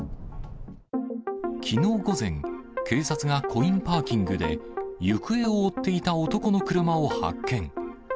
きのう午前、警察がコインパーキングで、行方を追っていた男の車を発見。